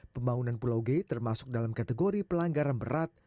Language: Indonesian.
pembangunan pulau g termasuk dalam kategori pelanggaran berat